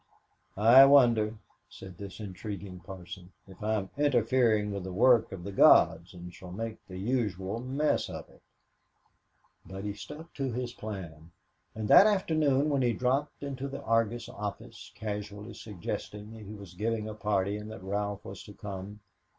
"I wonder," said this intriguing parson, "if I'm interfering with the work of the gods, and shall make the usual mess of it." But he stuck to his plan, and that afternoon when he dropped into the Argus office casually suggested that he was giving a party and that Ralph was to come.